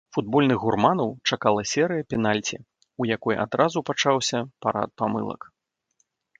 Футбольных гурманаў чакала серыя пенальці, у якой адразу пачаўся парад памылак.